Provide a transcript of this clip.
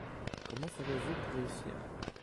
Comment ferez-vous pour réussir ?